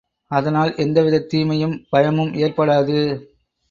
அதனால் எந்தவிதத் தீமையும் பயமும் ஏற்படாது.